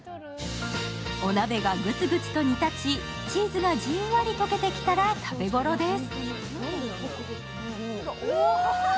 お鍋がグツグツと煮立ち、チーズがじんわりと溶けてきたら食べ頃です。